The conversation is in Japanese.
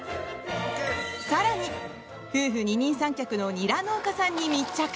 更に、夫婦二人三脚のニラ農家さんに密着！